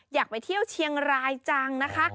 อยากไปเที่ยวเชียงรายจังนะคะ